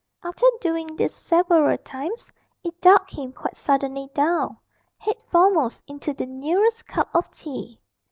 After doing this several times, it ducked him quite suddenly down, head foremost, into the nearest cup of tea.